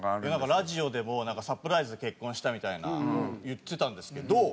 ラジオでもなんかサプライズで「結婚した」みたいな言ってたんですけどいや